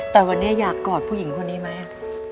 แต่วันนี้อยากกอดผู้หญิงคนนี้ไหม